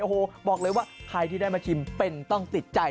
โอ้โหบอกเลยว่าใครที่ได้มาชิมเป็นต้องติดใจ